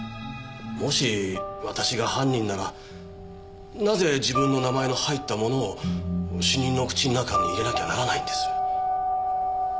もし私が犯人ならなぜ自分の名前の入ったものを死人の口の中に入れなきゃならないんです？